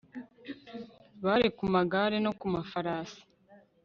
bari ku magare no ku mafarasi